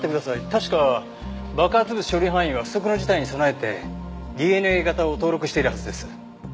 確か爆発物処理班員は不測の事態に備えてＤＮＡ型を登録しているはずです。